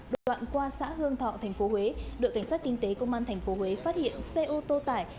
đoạn qua xã hương thọ tp huế đội cảnh sát kinh tế công an tp huế phát hiện xe ô tô tải